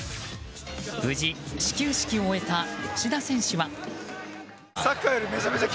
無事、始球式を終えた吉田選手は。